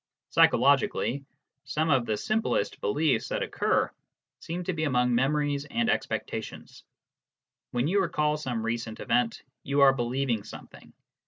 Psychologically, some of the simplest beliefs that occur seem to be among memories and expectations. When you recall some recent event, you are believing something.